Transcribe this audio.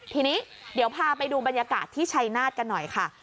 ทีนี้เดี๋ยวพาไปดูบรรยากาศที่ชัยนาธกันหน่อยค่ะ